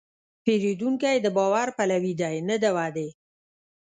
پیرودونکی د باور پلوي دی، نه د وعدې.